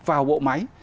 vào bộ máy